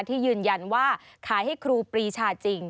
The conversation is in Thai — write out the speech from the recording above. ที่ยืนยันว่าขายให้ครูปรีชาจริง